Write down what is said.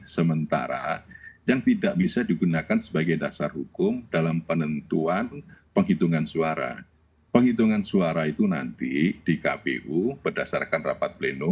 sirekap itu adalah informasi